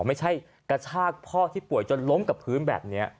ไม่ใช่กระชากพ่อที่ป่วยจนล้มกับพื้นแบบนี้